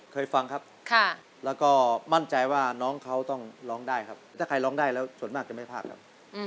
เคยฟังครับแล้วก็มั่นใจว่าน้องเขาต้องร้องได้ครับถ้าใครร้องได้แล้วส่วนมากจะไม่พลาดครับ